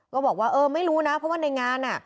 ก็บอกว่าเออไม่รู้นะเพราะว่าในงาน